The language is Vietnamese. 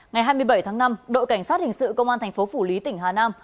ngày hai mươi bảy tháng năm đội cảnh sát hình sự công an thành phố phủ lý tỉnh hà nam